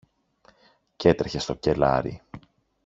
κι έτρεχε στο κελάρι.